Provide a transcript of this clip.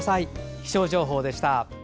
気象情報でした。